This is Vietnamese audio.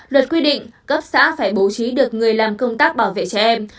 luật quy định cấp xã phải bố trí được người làm công tác bảo vệ trẻ em